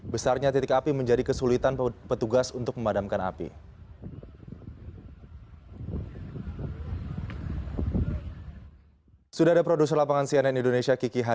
besarnya titik api menjadi kesulitan petugas untuk memadamkan api